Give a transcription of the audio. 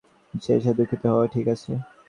টেসা, দুঃখিত হওয়া ঠিক আছে।